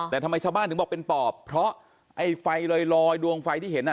แต่ทำไมชาวบ้านถึงบอกเป็นปอบเพราะไอ้ไฟลอยดวงไฟที่เห็นอ่ะ